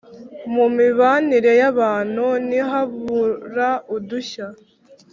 mu mibanire y’abantu ntihabura udushya